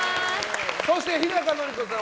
そして日高のり子さん